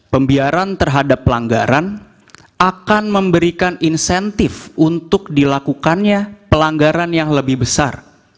pembiaran terhadap pelanggaran akan memberikan insentif untuk dilakukannya pelanggaran yang lebih besar